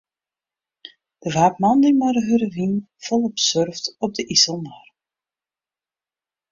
Der waard moandei mei de hurde wyn folop surft op de Iselmar.